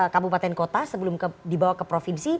kabupaten kota sebelum dibawa ke provinsi